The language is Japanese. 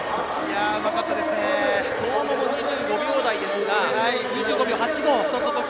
相馬も２５秒台ですが２５秒８５。